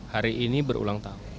hari ini berulang tahun